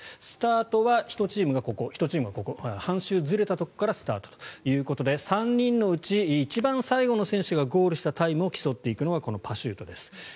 スタートは１チームがここ１チームがここ半周ずれたところからスタートということで３人のうち一番最後の選手がゴールしたタイムを競っていくのがパシュートです。